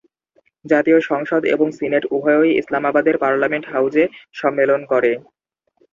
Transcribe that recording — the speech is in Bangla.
জাতীয় সংসদ এবং সিনেট উভয়ই ইসলামাবাদের পার্লামেন্ট হাউজে সম্মেলন করে।